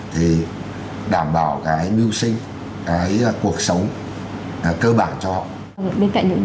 thì đảm bảo cái nưu sinh cái cuộc sống cơ bản cho họ